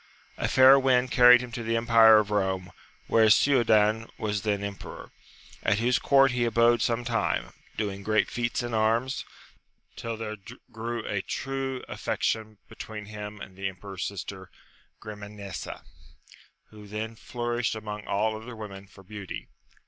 A fair wind carried him to the empire of Kome, where Siudan was then emperor, at whose court he abode some time, doing great feats in arms, till there grew a true aflfec tion between him and the emperor's sister, Grimanesa, who then flourished among all other women for beauty.